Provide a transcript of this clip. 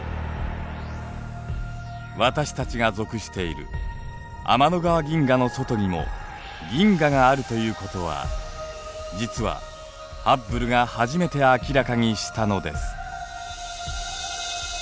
私たちが属している天の川銀河の外にも銀河があるということは実はハッブルが初めて明らかにしたのです。